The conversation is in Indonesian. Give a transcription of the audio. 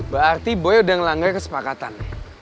berarti boya udah ngelanggalkan kesepakatan